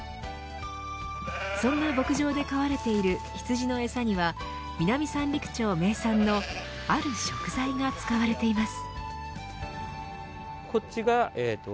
そんな牧場で飼われている羊の餌には南三陸町名産のある食材が使われています。